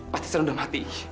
patristan udah mati